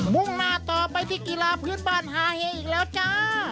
มุ่งนาตอไปที่กิราพืชบ้านหาเฮะอีกแล้วจ๊ะ